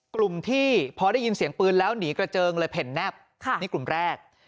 กลุ่มที่พอได้ยินเสียงปืนแล้วหนีกระเจิงเลยเผ่นแนบนี่กลุ่มแรก